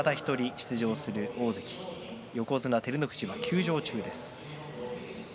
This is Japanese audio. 出場する大関横綱照ノ富士が休場中です。